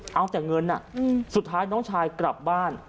เอาแต่เงินสุดท้ายน้องชายกลับบ้าน